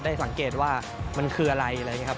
สังเกตว่ามันคืออะไรอะไรอย่างนี้ครับ